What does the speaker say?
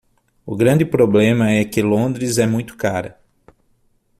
O grande problema é que Londres é muito cara.